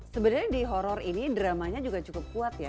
sebenarnya di horror ini dramanya juga cukup kuat ya